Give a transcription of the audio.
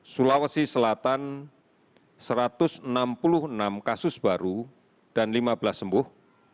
sulawesi selatan satu ratus enam puluh enam kasus baru dan lima belas sembuh